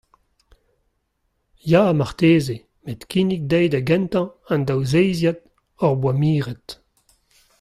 ya, marteze met kinnig dezhi da gentañ an daou zeiziad hor boa miret.